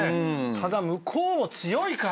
ただ向こうも強いから。